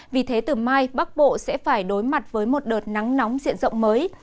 vì thế từ mai bắc bộ sẽ phải đối mặt với một đợt nắng nóng diện rộng mới